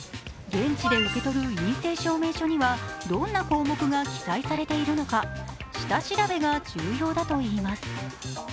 現地で受け取る陰性証明書にはどんな項目が記載されているのか下調べが重要だといいます。